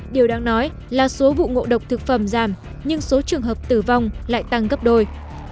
điều đáng nói là số vụ ngộ độc thực phẩm giảm nhưng số trường hợp tử vong lại tăng gấp đôi